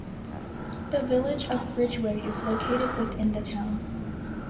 The Village of Ridgeway is located within the town.